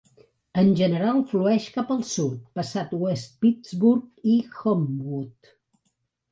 En general flueix cap al sud, passat West Pittsburg i Homewood.